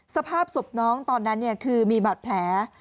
สภาพศพน้องตอนนั้นคือมีบาดแผล